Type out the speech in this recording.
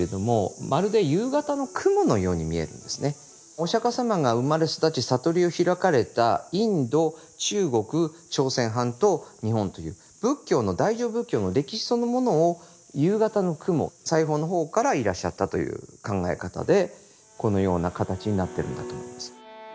お釈様が生まれ育ち悟りを開かれたインド中国朝鮮半島日本という仏教の大乗仏教の歴史そのものを夕方の雲西方の方からいらっしゃったという考え方でこのような形になってるんだと思います。